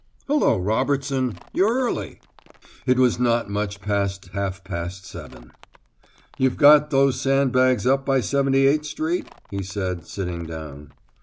"Hullo, Robertson; you're early!" It was not much past half past seven. "You've got those sand bags up by 78 Street?" he said, sitting down.